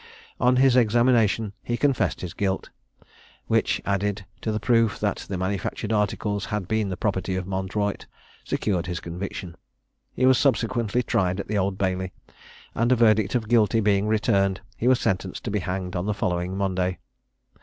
On his examination he confessed his guilt, which, added to the proof that the manufactured articles had been the property of Mondroyte, secured his conviction. He was subsequently tried at the Old Bailey, and a verdict of Guilty being returned, he was sentenced to be hanged on the following Monday.